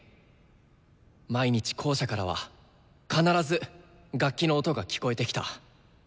毎日校舎からは必ず楽器の音が聴こえてきた。